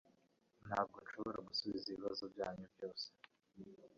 Ntabwo nshobora gusubiza ibibazo byanyu byose.